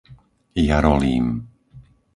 Jarolím